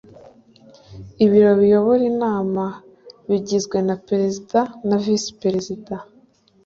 ibiro biyobora inama bigizwe na perezida na visiperezida